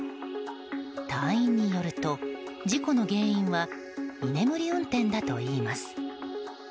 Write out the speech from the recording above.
隊員によると、事故の原因は居眠り運転だといいます。